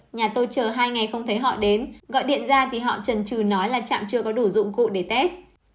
nhà tôi chờ hai ngày không thấy họ đến gọi điện ra thì họ trần trừ nói là trạm chưa có đủ dụng cụ để test